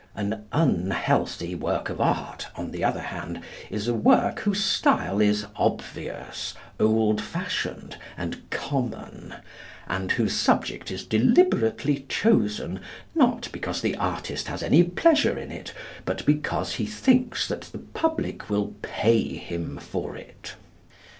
An unhealthy work of art, on the other hand, is a work whose style is obvious, old fashioned, and common, and whose subject is deliberately chosen, not because the artist has any pleasure in it, but because he thinks that the public will pay him for it.